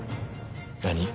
何？